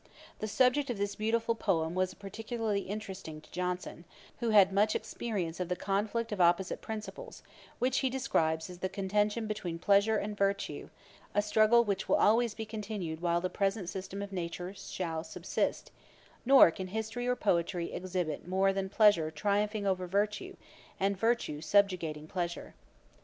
The subject of this beautiful poem was particularly interesting to Johnson, who had much experience of 'the conflict of opposite principles,' which he describes as 'The contention between pleasure and virtue, a struggle which will always be continued while the present system of nature shall subsist: nor can history or poetry exhibit more than pleasure triumphing over virtue, and virtue subjugating pleasure.'